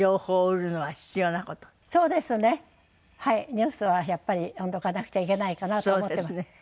ニュースはやっぱり読んでおかなくちゃいけないかなと思ってます。